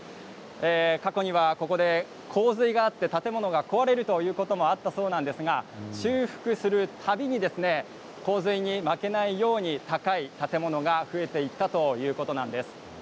過去にはここで洪水があって建物が壊れることもあったそうですが修復する度に洪水に負けないように高い建物が増えていったということなんです。